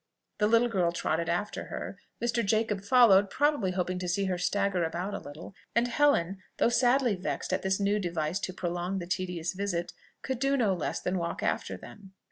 The little girl trotted after her; Mr. Jacob followed, probably hoping to see her stagger about a little; and Helen, though sadly vexed at this new device to prolong the tedious visit, could do no less than walk after them.